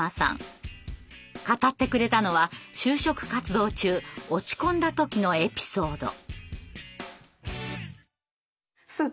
語ってくれたのは就職活動中落ち込んだ時のエピソード。